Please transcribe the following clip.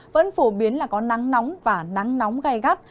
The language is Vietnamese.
vẫn phổ biến là có nắng nóng và nắng nóng gai gắt